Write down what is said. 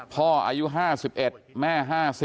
พ่ออายุ๕๑แม่๕๐